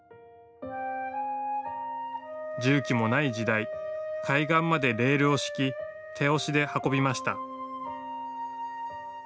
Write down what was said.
重機もない時代海岸までレールを敷き手押しで運びました。